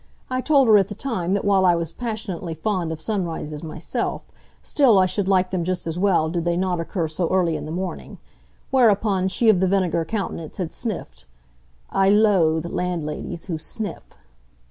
I told her at the time that while I was passionately fond of sunrises myself, still I should like them just as well did they not occur so early in the morning. Whereupon she of the vinegar countenance had sniffed. I loathe landladies who sniff.